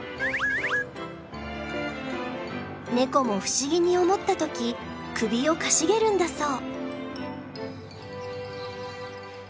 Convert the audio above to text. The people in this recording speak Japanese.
ネコも不思議に思った時首をかしげるんだそう。